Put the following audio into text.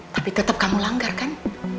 tapi tetap kamu langgar kan